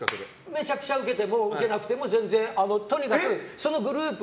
めちゃくちゃウケてもウケなくても全然、とにかくそのグループ